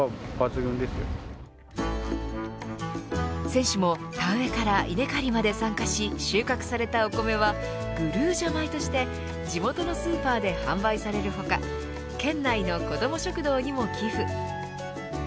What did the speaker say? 選手も田植えから稲刈りまで参加し収穫されたお米はグルージャ米として地元のスーパーで販売される他県内の子ども食堂にも寄付。